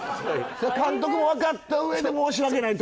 それ監督もわかったうえで申し訳ないと。